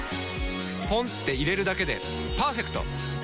ポンって入れるだけでパーフェクト！